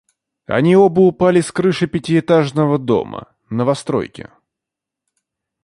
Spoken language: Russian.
Они оба упали с крыши пятиэтажного дома, новостройки.